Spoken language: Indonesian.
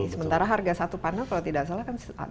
sementara harga satu panel kalau tidak salah kan